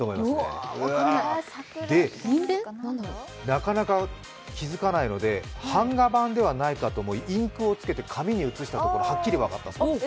なかなか気付かないので、版画板ではないかと、インクをつけて紙に写したところはっきり分かったそうです。